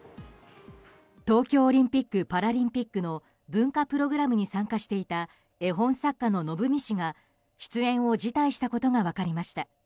東京オリンピック・パラリンピックの文化プログラムに参加していた絵本作家ののぶみ氏が出演を辞退したことが分かりました。